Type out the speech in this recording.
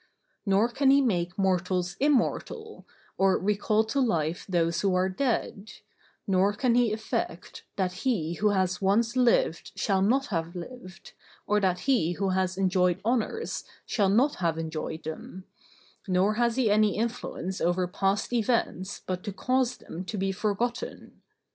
Nor can he make mortals immortal, or recall to life those who are dead; nor can he effect, that he who has once lived shall not have lived, or that he who has enjoyed honors shall not have enjoyed them; nor has he any influence over past events but to cause them to be forgotten.